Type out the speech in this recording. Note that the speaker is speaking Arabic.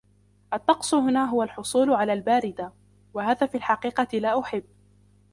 الطقس هنا هو الحصول على الباردة ، وهذا في الحقيقة لا أحب.